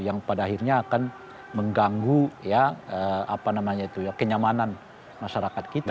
yang pada akhirnya akan mengganggu kenyamanan masyarakat kita